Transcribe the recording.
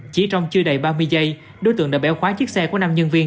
chỉ trong chưa đầy ba mươi giây đối tượng đã béo khóa chiếc xe của nam nhân viên